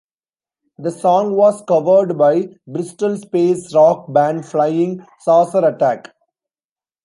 The song was covered by Bristol space rock band Flying Saucer Attack.